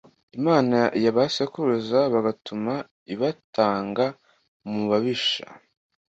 Imana ya ba sekuruza bigatuma ibatanga mubabisha